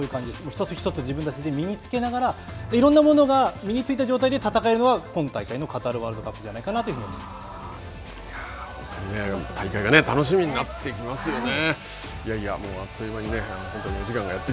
一つ一つで自分たちで身につけながらいろんなものが身についた状態で戦えるというのが今大会のカタールワールドカップじゃないかな大会が楽しみになってきますよね。